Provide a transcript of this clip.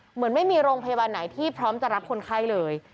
เหมือนไม่มีโรงพยาบาลไหนที่พร้อมจะรับคนไข้เลย